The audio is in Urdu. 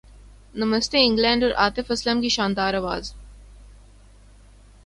نمستے انگلینڈ اور عاطف اسلم کی شاندار اواز